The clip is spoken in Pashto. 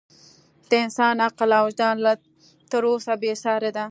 د انسان عقل او وجدان لا تر اوسه بې ساري دی.